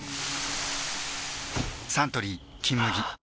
サントリー「金麦」えっ！！